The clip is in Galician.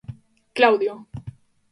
Claudio.